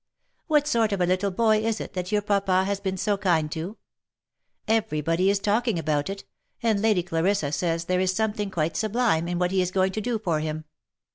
" What sort of a little boy is it that your papa has been so kind to? Every body is talking about it, and Lady Clarissa says there is something quite sublime in what he is going to do for him.